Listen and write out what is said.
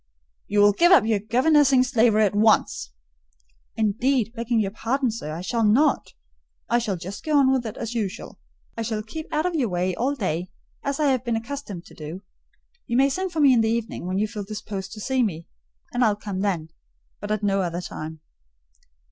"You will give up your governessing slavery at once." "Indeed, begging your pardon, sir, I shall not. I shall just go on with it as usual. I shall keep out of your way all day, as I have been accustomed to do: you may send for me in the evening, when you feel disposed to see me, and I'll come then; but at no other time."